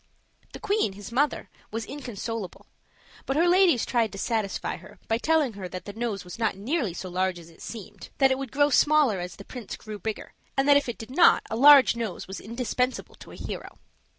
The queen, his mother, was inconsolable; but her ladies tried to satisfy her by telling her that the nose was not nearly so large as it seemed, that it would grow smaller as the prince grew bigger, and that if it did not a large nose was indispensable to a hero.